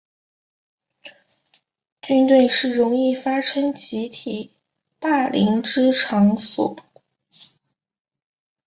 军队是容易发生集体霸凌之场所。